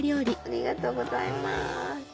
ありがとうございます。